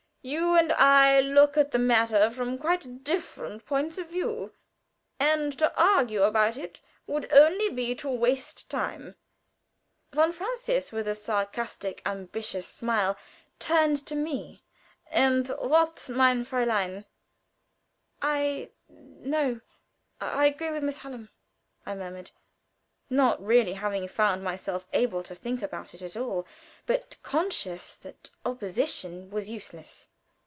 You and I look at the matter from quite different points of view, and to argue about it would only be to waste time." Von Francius, with a sarcastic, ambiguous smile, turned to me: "And you, mein Fräulein?" "I no. I agree with Miss Hallam," I murmured, not really having found myself able to think about it at all, but conscious that opposition was useless.